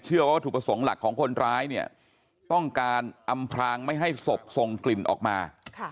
ว่าถูกประสงค์หลักของคนร้ายเนี่ยต้องการอำพลางไม่ให้ศพทรงกลิ่นออกมา